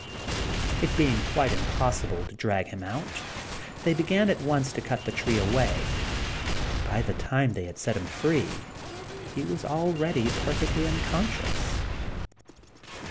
It being quite impossible to drag him out, they began at once to cut the tree away; but by the time they had set him free he was already perfectly unconscious.